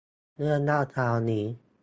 เรื่องเล่าเช้านี้